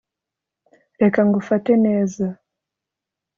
reka ngufate neza